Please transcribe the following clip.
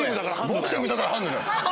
ボクシングだからハンドだよ。